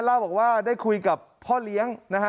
ราวบอกว่าได้คุยกับเพาะเลี้ยง